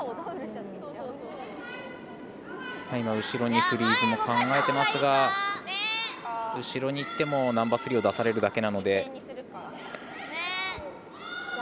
後ろにフリーズも考えてますが後ろにいってもナンバースリーを出されるだけなので。